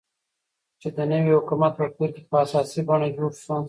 چې د نوي حكومت په پير كې په اساسي بڼه جوړ شو،